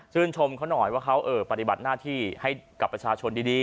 ชมเขาหน่อยว่าเขาปฏิบัติหน้าที่ให้กับประชาชนดี